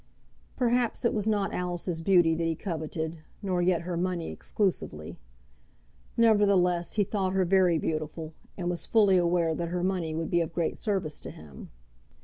Perhaps it was not Alice's beauty that he coveted, nor yet her money exclusively. Nevertheless he thought her very beautiful, and was fully aware that her money would be of great service to him.